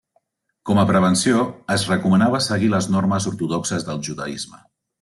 Com a prevenció es recomanava seguir les normes ortodoxes del judaisme.